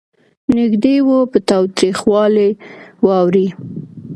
نېږدې و په تاوتریخوالي واوړي.